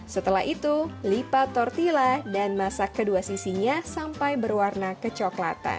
setelah itu lipat tortilla dan masak kedua sisinya sampai berwarna kecoklatan